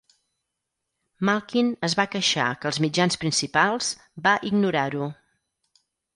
Malkin es va queixar que els mitjans principals va ignorar-ho.